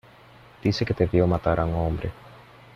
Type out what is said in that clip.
dice que te vio matar a un hombre.